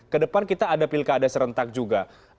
ke depan kita ada pilkada serentak juga